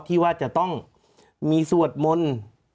ที่ว่าจะต้องมีสวดมนต์